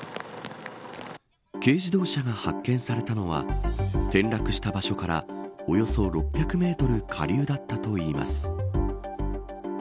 軽自動車が発見されたのは転落した場所からおよそ６００メートル下流だったといいます。